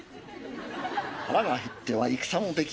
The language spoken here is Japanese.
腹が減っては戦もできぬたとえ。